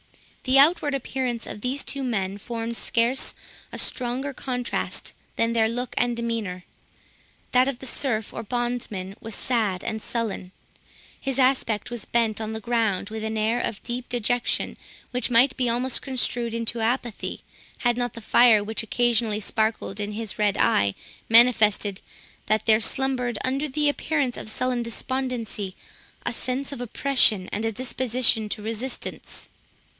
The outward appearance of these two men formed scarce a stronger contrast than their look and demeanour. That of the serf, or bondsman, was sad and sullen; his aspect was bent on the ground with an appearance of deep dejection, which might be almost construed into apathy, had not the fire which occasionally sparkled in his red eye manifested that there slumbered, under the appearance of sullen despondency, a sense of oppression, and a disposition to resistance.